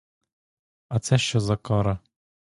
А це що за кара?